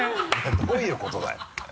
どういうことだよ。